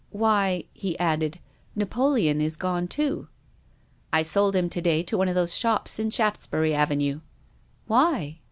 " Why," he added. " Napoleon is gone too." " I sold him to day to one of those shops in Shaftesbury Avenue." " Why